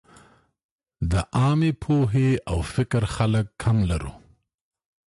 د عامې پوهې او فکر خلک کم لرو.